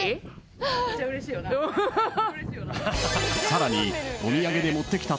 ［さらに］